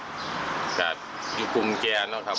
ส่งมาขอความช่วยเหลือจากเพื่อนครับ